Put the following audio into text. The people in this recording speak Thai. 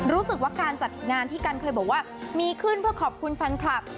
รู้สึกว่าการจัดงานที่กันเคยบอกว่ามีขึ้นเพื่อขอบคุณแฟนคลับ